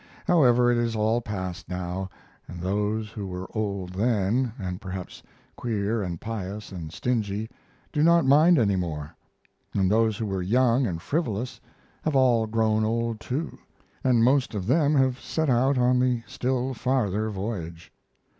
However, it is all past now, and those who were old then, and perhaps queer and pious and stingy, do not mind any more, and those who were young and frivolous have all grown old too, and most of them have set out on the still farther voyage.